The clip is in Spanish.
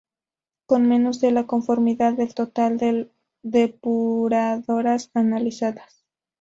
con menos del de conformidad del total de depuradoras analizadas